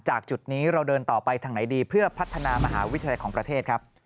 จุดนี้เราเดินต่อไปทางไหนดีเพื่อพัฒนามหาวิทยาลัยของประเทศครับ